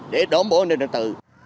để đổ mổ an ninh trật tự